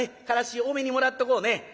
からし多めにもらっとこうね」。